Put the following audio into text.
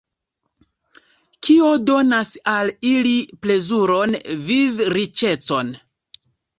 Kio donas al ili plezuron, vivriĉecon?